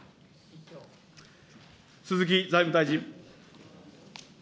鈴木財務大臣。